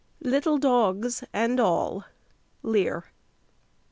Little dogs and all! LEAR.